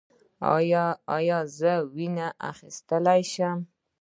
ایا زه وینه اخیستلی شم؟